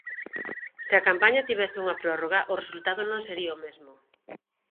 Se a campaña tivese unha prórroga o resultado non sería o mesmo.